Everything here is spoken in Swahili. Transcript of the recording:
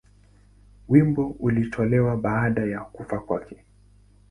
Wimbo ulitolewa baada ya kufa kwake.